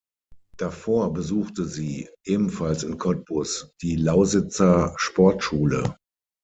Davor besuchte sie, ebenfalls in Cottbus, die Lausitzer Sportschule.